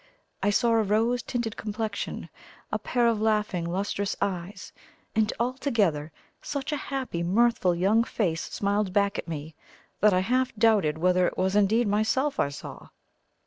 I saw a rose tinted complexion, a pair of laughing, lustrous eyes, and, altogether, such a happy, mirthful young face smiled back at me, that I half doubted whether it was indeed myself I saw.